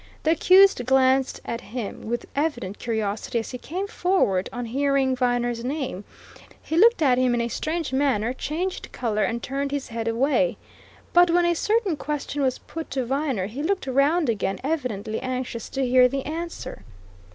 The accused glanced at him with evident curiosity as he came forward; on hearing Viner's name, he looked at him in a strange manner, changed colour and turned his head away. But when a certain question was put to Viner, he looked round again, evidently anxious to hear the answer.